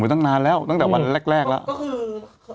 ไว้ตั้งนานแล้วตั้งแต่วันแรกแรกแล้วก็คือเขา